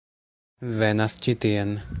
Venas ĉi tien!